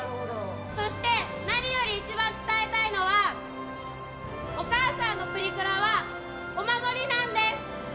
そして、何より一番伝えたいのはお母さんのプリクラはお守りなんです！